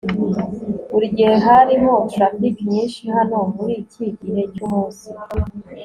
burigihe hariho traffic nyinshi hano muriki gihe cyumunsi